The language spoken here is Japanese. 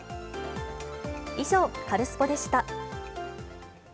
以上、カルスポっ！でした。